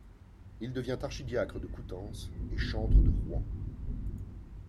Il devient archidiacre de Coutances et chantre de Rouen.